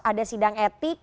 ada sidang etik